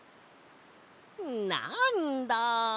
なんだ。